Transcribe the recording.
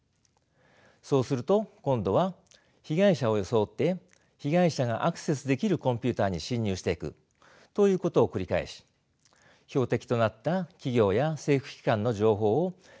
そうすると今度は被害者を装って被害者がアクセスできるコンピューターに侵入していくということを繰り返し標的となった企業や政府機関の情報を根こそぎ盗むのです。